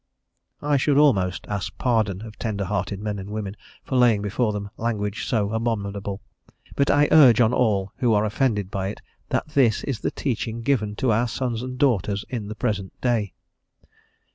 I should almost ask pardon of tender hearted men and women for laying before them language so abominable; but I urge on all who are offended by it that this is the teaching given to our sons and daughters in the present day.